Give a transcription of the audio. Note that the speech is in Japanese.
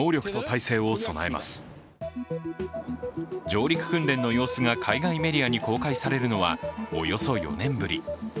上陸訓練の様子が海外メディアに公開されるのはおよそ４年ぶり。